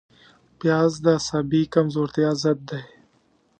پیاز د عصبي کمزورتیا ضد دی